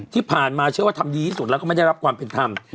ที่ผ่านมาเชื่อว่าทำดีที่สุดแล้วก็ไม่ได้รับความเป็นธรรม